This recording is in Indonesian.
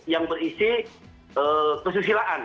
yang berisi kesusilaan